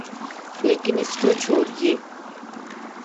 لیکن اس کو چھوڑئیے۔